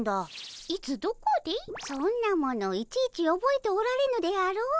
そんなものいちいちおぼえておられぬであろう。